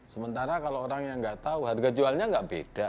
sementara kalau orang yang nggak tahu harga jualnya nggak beda